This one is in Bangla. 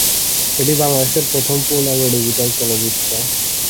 এটি বাংলাদেশের প্রথম পূর্ণাঙ্গ ডিজিটাল চলচ্চিত্র।